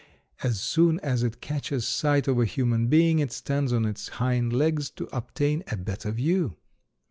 As soon as it catches sight of a human being it stands on its hind legs to obtain a better view.